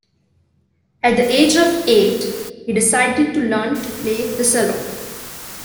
At the age of eight, he decided to learn to play the cello.